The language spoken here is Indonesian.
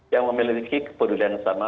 yang memiliki kepedulian yang sama